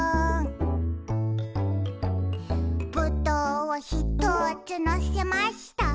「ぶどうをひとつのせました」